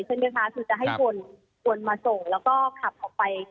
กระเบิ้ลเซ็นเมืองค้าคือจะให้คนมาโส่แล้วก็ขับออกไป